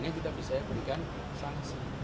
hanya kita bisa memberikan sanksi